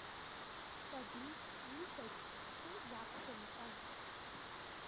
Сабик ииҳәаз, шәхы иақәшәымҵан.